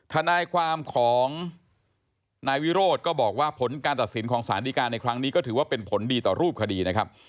ทนายความของนายวิโรธก็บอกว่าผลการตัดสินของสารดีการในครั้งนี้ก็ถือว่าเป็นผลดีต่อรูปคดีนะครับ